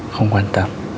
không quan tâm